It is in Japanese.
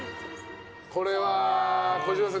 これは児嶋さん